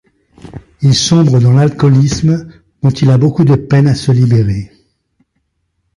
Il sombre dans l'alcoolisme dont il a beaucoup de peine à se libérer.